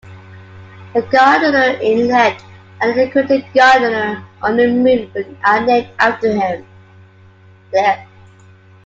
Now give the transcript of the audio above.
The Gardner Inlet and the crater Gardner on the Moon are named after him.